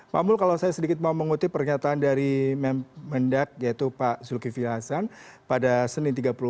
pak mul kalau saya sedikit mau mengutip pernyataan dari mendak yaitu pak zulkifli hasan pada senin tiga puluh empat